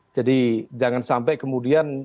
jadi jangan sampai kemudian janji janji